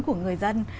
của người dân